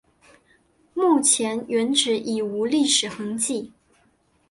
目前原址已无历史痕迹。